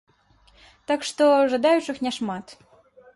Так што жадаючых няшмат.